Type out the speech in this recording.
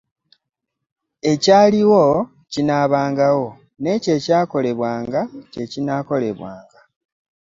Ekyaliwo kye kinaabangawo; n'ekyo ekyakolebwanga kye kinaakolebwanga.